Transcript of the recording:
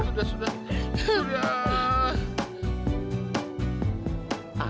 sudah sudah sudah